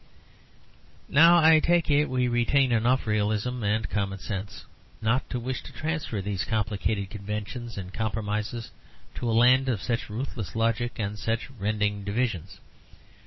Now I take it we retain enough realism and common sense not to wish to transfer these complicated conventions and compromises to a land of such ruthless logic and such rending divisions.